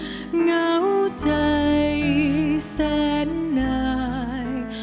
เหงาใจแสนนาย